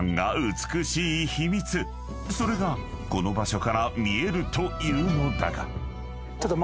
［それがこの場所から見えるというのだが］